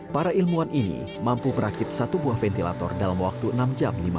para ilmuwan ini mampu merakit satu buah ventilator dalam waktu enam jam